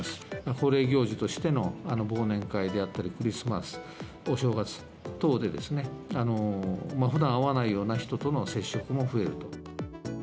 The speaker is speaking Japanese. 恒例行事としての忘年会であったりクリスマス、お正月等で、ふだん会わないような人との接触も増えると。